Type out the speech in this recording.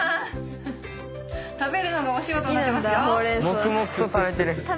黙々と食べてる。